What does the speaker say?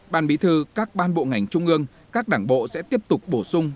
ban bí thư các ban bộ ngành trung ương các đảng bộ sẽ tiếp tục bổ sung